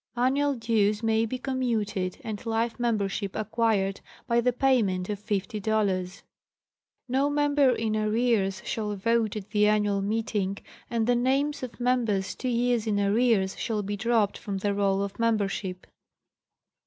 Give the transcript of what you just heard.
Annual dues may be commuted and life membership acquired by the payment of fifty dollars. No member in arrears shall vote at the annual meeting, and the names of members two years in arrears shall be dropped from the roll of membership.